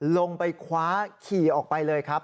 ลงไปคว้าขี่ออกไปเลยครับ